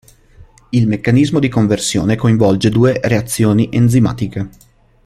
Il meccanismo di conversione coinvolge due reazioni enzimatiche.